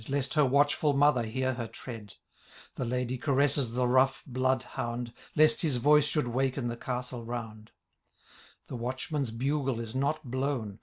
Lest her watchful mother hear her tread ; The ladye caresses the rough blood hound. Lest his voice should waken the castle round ; The watchman's bugle is not blown.